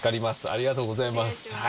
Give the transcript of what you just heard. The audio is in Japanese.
ありがとうございます。